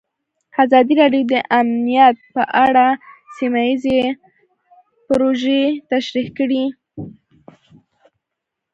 ازادي راډیو د امنیت په اړه سیمه ییزې پروژې تشریح کړې.